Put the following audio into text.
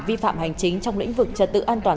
vi phạm hành chính trong lĩnh vực trật tự an toàn